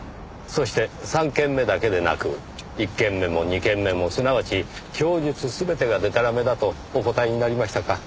そして３件目だけでなく１件目も２件目もすなわち供述全てがでたらめだとお答えになりましたか。